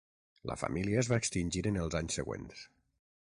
La família es va extingir en els anys següents.